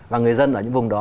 và người dân ở những vùng đó